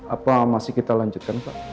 apa masih kita lanjutkan pak